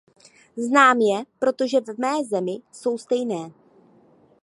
Znám je, protože v mé zemi jsou stejné.